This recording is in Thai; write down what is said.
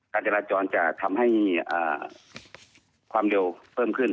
การจราจรจะทำให้ความเร็วเพิ่มขึ้น